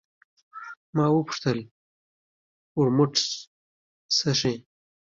ما وپوښتل: ورموت څښې؟